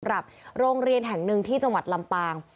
โรงเรียนแห่งหนึ่งที่จังหวัดลำปาง